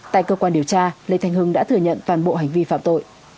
tại cơ quan điều tra lê thanh hưng đã thừa nhận toàn bộ hành vi phạm tội